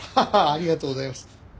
ありがとうございます。